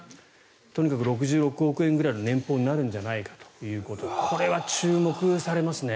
とにかく６６億円ぐらいの年俸になるんじゃないかということでこれは注目されますね。